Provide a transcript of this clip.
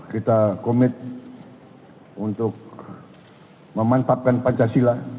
kita komit untuk memantapkan pancasila